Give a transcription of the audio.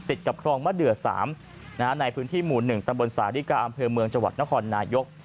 ติดกับคลองมะเดือ๓ในพื้นที่หมู่๑ตำบลสาธิกาอำเภอเมืองจังหวัดนครนายก